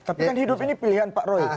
tapi kan hidup ini pilihan pak roy